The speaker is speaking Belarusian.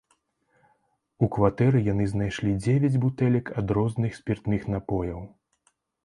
У кватэры яны знайшлі дзевяць бутэлек ад розных спіртных напояў.